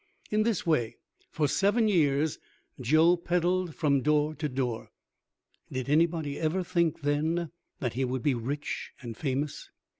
In this way, for seven years, Joe peddled from door to door. Did anybody ever think then that he would be rich and famous?